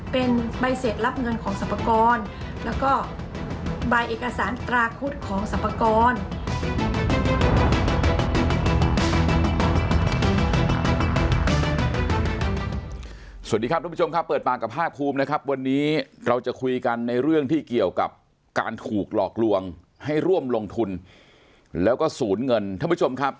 สวัสดีครับท่านผู้ชมครับเปิดปากกับภาคภูมินะครับวันนี้เราจะคุยกันในเรื่องที่เกี่ยวกับการถูกหลอกลวงให้ร่วมลงทุนแล้วก็สูญเงินท่านผู้ชมครับ